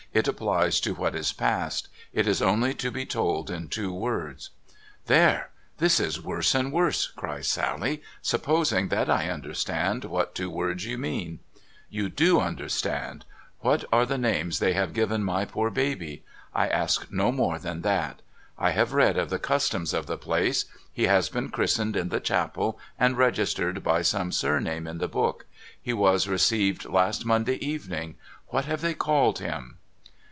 It applies to what is past. It is only to be told in two words.' ' There ! This is worse and worse,' cries Sally, ' supposing that I understand what two words you mean.' ' You do understand. What are the names they have given my poor baby ? I ask no more than that. I have read of the customs of the place. He has been christened in the chapel, and registered by some surname in the book. He was received last Monday evening. What have they called him